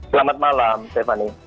selamat malam stephanie